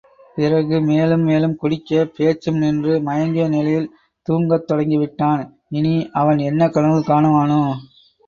பிறகு மேலும் மேலும் குடிக்கப் பேச்சும் நின்று மயங்கிய நிலையில் தூங்கத்தொடங்கிவிட்டான் இனி அவன் என்ன கனவு காணுவானோ?